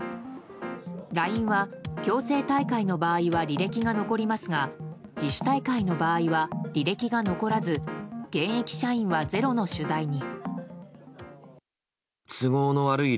ＬＩＮＥは強制退会の場合は履歴が残りますが自主退会の場合は履歴が残らず現役社員は「ｚｅｒｏ」の取材に。